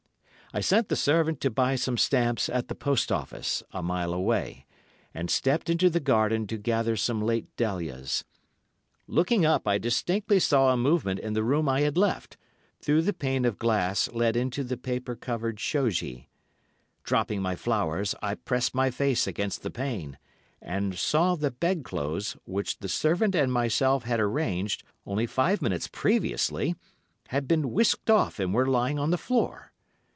I sent the servant to buy some stamps at the Post Office, a mile away, and stepped into the garden to gather some late dahlias. Looking up I distinctly saw a movement in the room I had left, through the pane of glass let into the paper covered shoji. Dropping my flowers, I pressed my face against the pane, and saw the bedclothes, which the servant and myself had arranged, only five minutes previously, had been whisked off and were lying on the floor.